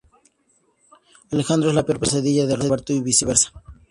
Alejandro es la peor pesadilla de Roberto y viceversa.